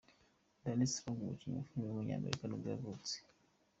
Danny Strong, umukinnyi wa filime w’umunyamerika nibwo yavutse.